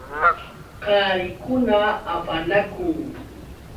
Qarikuna afanakun.